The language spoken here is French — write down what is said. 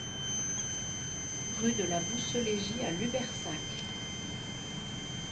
Rue de la Bousseleygie à Lubersac